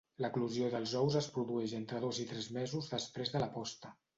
L'eclosió dels ous es produeix entre dos i tres mesos després de la posta.